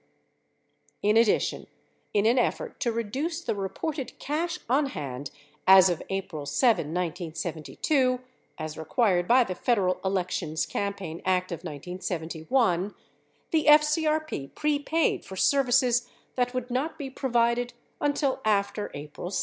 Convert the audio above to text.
In addition, in an effort to reduce the reported cash on hand as of April 7, 1972, as required by the Federal Elections Campaign Act of 1971, the FCRP prepaid for services that would not be provided until after April 7.